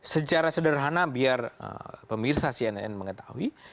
secara sederhana biar pemirsa cnn mengetahui